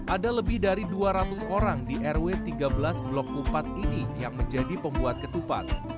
ada lebih dari dua ratus orang di rw tiga belas blok empat ini yang menjadi pembuat ketupat